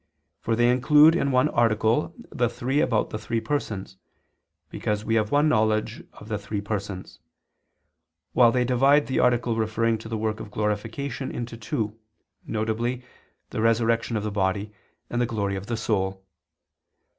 For they include in one article the three about the three Persons; because we have one knowledge of the three Persons: while they divide the article referring to the work of glorification into two, viz. the resurrection of the body, and the glory of the soul.